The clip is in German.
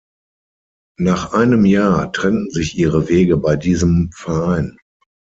Nach einem Jahr trennten sich Ihre Wege bei diesem Verein.